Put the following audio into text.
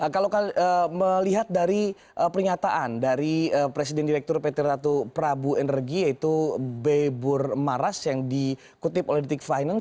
kalau melihat dari pernyataan dari presiden direktur pt ratu prabu energi yaitu bebur maras yang dikutip oleh detik finance